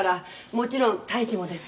もちろん太一もです。